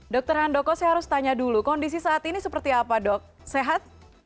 dr handoko saya harus tanya dulu kondisi saat ini seperti apa dok sehat